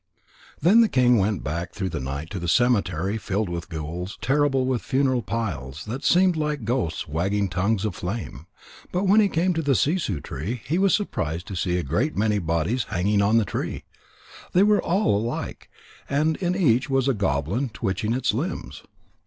_ Then the king went back through the night to the cemetery filled with ghouls, terrible with funeral piles that seemed like ghosts with wagging tongues of flame. But when he came to the sissoo tree, he was surprised to see a great many bodies hanging on the tree. They were all alike, and in each was a goblin twitching its limbs.